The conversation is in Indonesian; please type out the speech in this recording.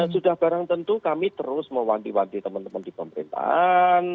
sudah barang tentu kami terus mewanti wanti teman teman di pemerintahan